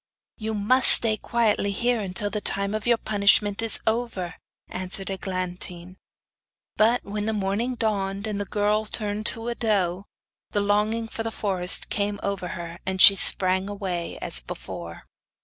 'You must stay quietly here till the time of your punishment is over,' answered Eglantine. But when the morning dawned, and the girl turned into a doe, the longing for the forest came over her, and she sprang away as before.